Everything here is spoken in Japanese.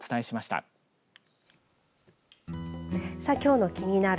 きょうのキニナル！